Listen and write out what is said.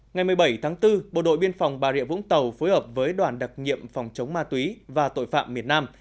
ngày một mươi bảy tháng bốn bộ đội biên phòng bà rịa vũng tàu phối hợp với đoàn đặc nhiệm phòng chống ma túy và tội phạm miền nam